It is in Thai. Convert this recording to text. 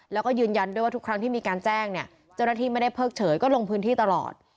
แล้วก็ยืนยันด้วยว่าทุกครั้งที่มีการแจ้งเนี่ยเจ้าหน้าที่ไม่ได้เพิกเฉยก็ลงพื้นที่ตลอด